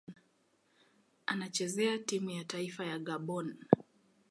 Anachezea timu ya taifa ya Gabon.